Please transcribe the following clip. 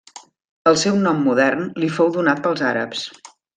El seu nom modern li fou donat pels àrabs.